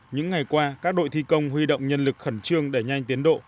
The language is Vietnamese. những ngày qua các đội thi công huy động nhân lực khẩn trương đẩy nhanh tiến độ